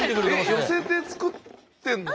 寄せて作ってんの？